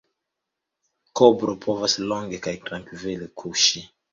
Kobro povas longe kaj trankvile kuŝi.